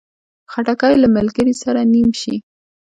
خټکی له ملګري سره نیم شي.